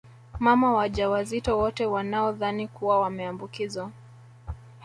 Mama waja wazito wote wanaodhani kuwa wameambukizwa